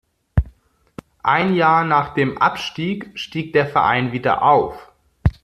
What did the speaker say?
Ein Jahr nach dem Abstieg stieg der Verein wieder auf.